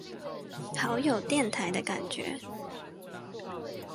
好有電台的感覺